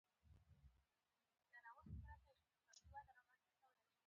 غوږونه د سر دواړو خواوو ته دي